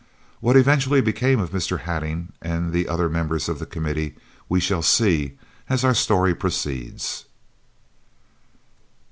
What eventually became of Mr. Hattingh and the other members of the Committee we shall see as our story proceeds.